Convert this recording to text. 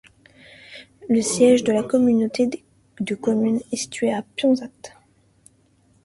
Le siège de la communauté de communes est situé à Pionsat.